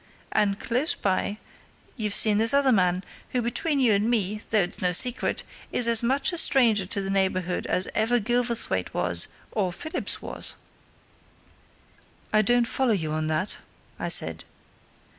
And close by you've seen this other man, who, between you and me though it's no secret is as much a stranger to the neighbourhood as ever Gilverthwaite was or Phillips was!" "I don't follow you at that," I said.